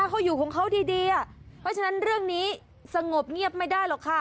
เขาอยู่ของเขาดีอ่ะเพราะฉะนั้นเรื่องนี้สงบเงียบไม่ได้หรอกค่ะ